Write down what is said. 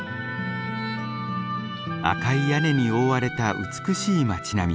赤い屋根に覆われた美しい町並み。